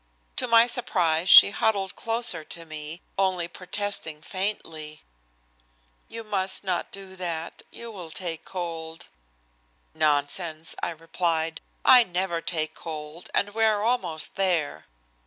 To my surprise she huddled closer to me, only protesting faintly: "You must not do that. You will take cold." "Nonsense," I replied. "I never take cold, and we are almost there."